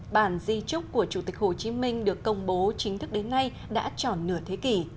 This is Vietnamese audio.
bản di trúc của chủ tịch hồ chí minh được công bố chính thức đến nay đã tròn nửa thế kỷ